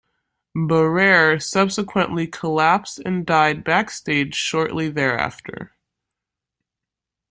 Barere subsequently collapsed and died backstage shortly thereafter.